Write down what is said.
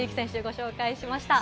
ご紹介しました。